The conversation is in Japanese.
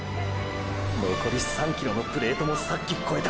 のこり３ｋｍのプレートもさっきこえた。